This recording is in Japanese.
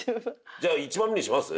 じゃあ１番目にします？